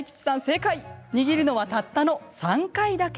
そう、握るのはたったの３回だけ。